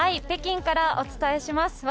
北京からお伝えします。